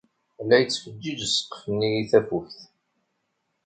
La yettfeǧǧiǧ ssqef-nni i tafukt.